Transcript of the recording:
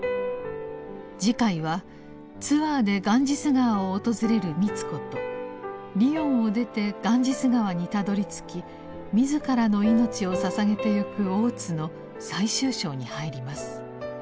次回はツアーでガンジス河を訪れる美津子とリヨンを出てガンジス河にたどりつき自らの命をささげてゆく大津の最終章に入ります。